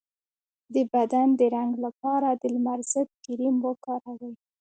د بدن د رنګ لپاره د لمر ضد کریم وکاروئ